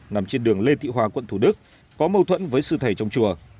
nằm trên đường lê thị hòa quận thủ đức có mâu thuẫn với sư thầy trong chùa